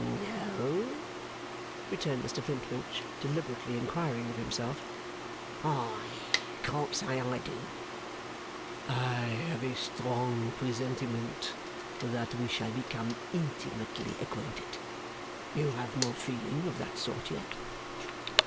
'N no,' returned Mr Flintwinch, deliberately inquiring of himself. 'I can't say I do.' 'I have a strong presentiment that we shall become intimately acquainted. You have no feeling of that sort yet?